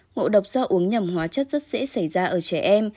ngộ độc do uống nhầm hóa chất rất dễ xảy ra ở trẻ em